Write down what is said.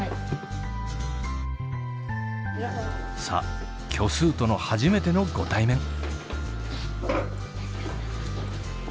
さあ虚数との初めてのご対面。